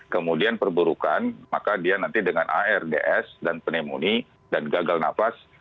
kemudian perburukan maka dia nanti dengan ards dan pneumonia dan gagal nafas